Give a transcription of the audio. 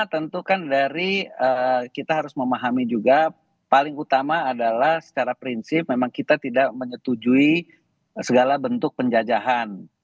tentu kan dari kita harus memahami juga paling utama adalah secara prinsip memang kita tidak menyetujui segala bentuk penjajahan